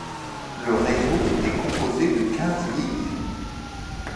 Le réseau est composé de quinze lignes.